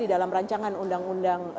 di dalam rancangan undang undang